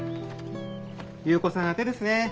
優子さん宛ですね。